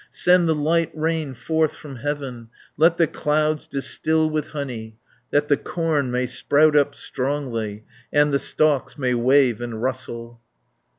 Send the light rain forth from heaven, Let the clouds distil with honey, That the corn may sprout up strongly, And the stalks may wave and rustle."